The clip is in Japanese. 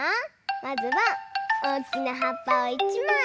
まずはおおきなはっぱを１まい。